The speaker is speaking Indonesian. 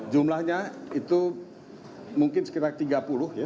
jumlahnya itu mungkin sekitar tiga puluh ya